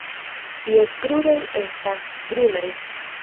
Ties kruroj estas brunaj.